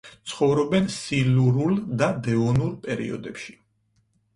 ცხოვრობენ სილურულ და დევონურ პერიოდებში.